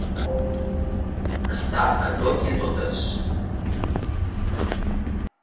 Estar a tot i a totes.